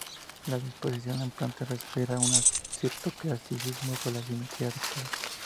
La disposición en planta respira un cierto clasicismo, por la simetría adoptada.